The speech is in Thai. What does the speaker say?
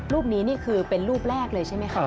รูปนี้นี่คือเป็นรูปแรกเลยใช่ไหมคะ